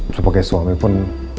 sebagai suami pun